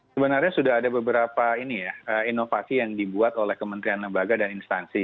sebenarnya sudah ada beberapa ini ya inovasi yang dibuat oleh kementerian lembaga dan instansi